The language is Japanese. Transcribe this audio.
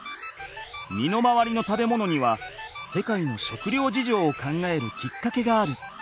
身の回りの食べ物には世界の食料事情を考えるきっかけがある。